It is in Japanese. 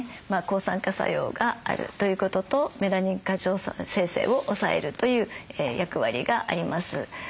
抗酸化作用があるということとメラニン過剰生成を抑えるという役割があります。